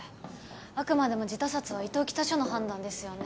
あくまでも自他殺は伊東北署の判断ですよね。